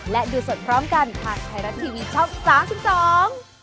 และดูสดพร้อมกันทางไทรันทีวีช่อง๓๒